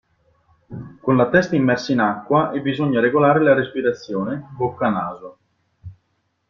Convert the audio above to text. Con la testa immersa in acqua e bisogna regolare la respirazione (bocca-naso).